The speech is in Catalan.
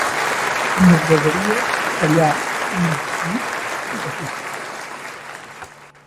M'agradaria tallar un dofí de fusta.